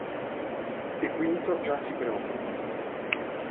E Quinto già si preoccupa…